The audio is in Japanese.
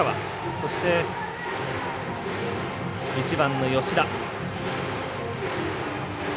そして、１番の吉田。